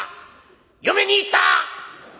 「嫁に行った！」。